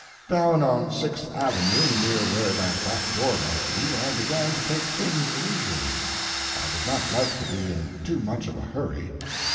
Down on Sixth Avenue, near where that back door might be, I began to take things leisurely. I did not like to be in too much of a hurry.